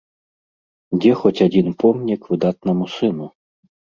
Дзе хоць адзін помнік выдатнаму сыну?